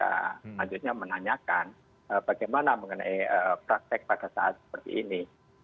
selanjutnya menanyakan bagaimana mengenai praktek pada saat seperti ini